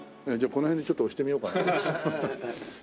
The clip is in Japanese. じゃあこの辺にちょっと押してみようかな。